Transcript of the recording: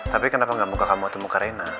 tapi kenapa gak muka kamu atau muka rena